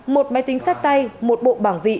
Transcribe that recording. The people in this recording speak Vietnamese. một máy tính sát tay một bộ bảng vị